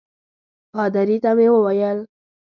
پادري ته مې وویل.